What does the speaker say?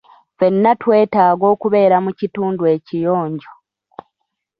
Ffenna twetaaga okubeera mu kitundu ekiyonjo.